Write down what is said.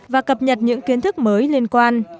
và cập nhật những kiến thức mới liên quan